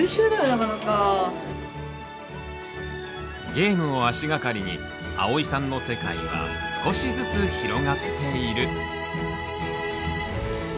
ゲームを足掛かりにあおいさんの世界は少しずつ広がっている。